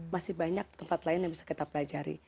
masih banyak tempat lain yang bisa kita pelajari